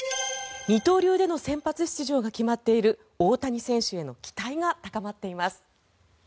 二刀流での先発出場が決まっている大谷選手への期待が高まっています。